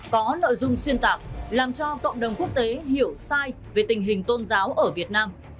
có nội dung xuyên tạc làm cho cộng đồng quốc tế hiểu sai về tình hình tôn giáo ở việt nam